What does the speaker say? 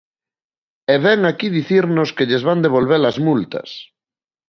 E vén aquí dicirnos que lles van devolver as multas.